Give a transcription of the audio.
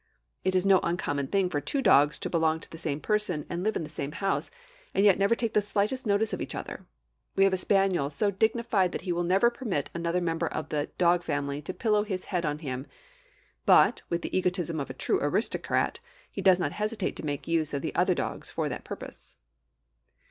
It is no uncommon thing for two dogs to belong to the same person, and live in the same house, and yet never take the slightest notice of each other. We have a spaniel so dignified that he will never permit another member of the dog family to pillow his head on him; but, with the egotism of a true aristocrat, he does not hesitate to make use of the other dogs for that purpose.